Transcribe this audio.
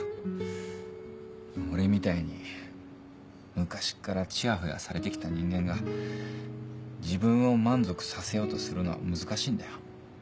俺みたいに昔っからちやほやされて来た人間が自分を満足させようとするのは難しいんだよ。